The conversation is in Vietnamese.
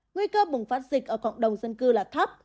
nguy cơ bùng phát dịch ở cộng đồng dân cư là thấp